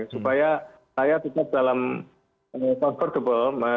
supaya rakyat tetap dalam comfortable